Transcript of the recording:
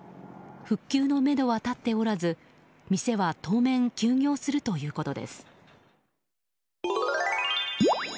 復旧のめどは立っておらず店は当面休業するということです。